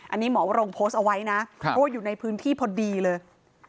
อันนี้หมอวรงโพสต์เอาไว้นะเพราะว่าอยู่ในพื้นที่พอดีเลย